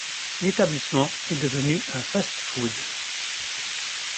L'établissement est devenu un fast-food.